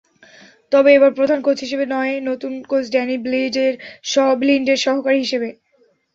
তবে এবার প্রধান কোচ হিসেবে নয়, নতুন কোচ ড্যানি ব্লিন্ডের সহকারী হিসেবে।